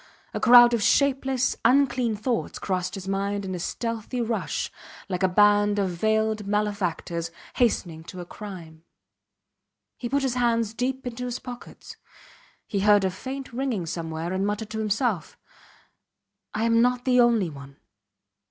A crowd of shapeless, unclean thoughts crossed his mind in a stealthy rush, like a band of veiled malefactors hastening to a crime. He put his hands deep into his pockets. He heard a faint ringing somewhere, and muttered to himself: I am not the only one